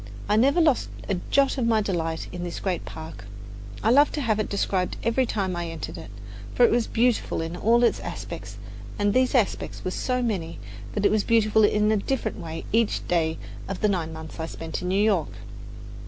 I never lost a jot of my delight in this great park. I loved to have it described every time I entered it; for it was beautiful in all its aspects, and these aspects were so many that it was beautiful in a different way each day of the nine months I spent in New York.